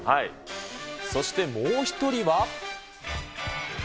そしてもう１人は。